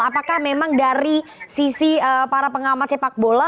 apakah memang dari sisi para pengamat sepak bola